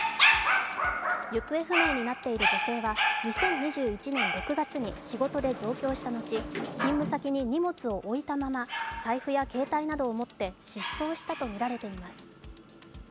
行方不明になっている女性は２０２１年６月に仕事で上京した後、勤務先に荷物を置いたまま財布や携帯などを持って失踪したとみられています。